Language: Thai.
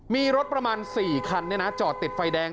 มีรถประมาณ๔คันจอดติดไฟแดง